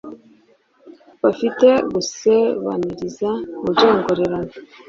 bafite gusebaniriza mu byongorerano,